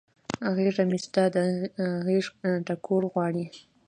غیږه مې ستا د غیږ ټکور غواړي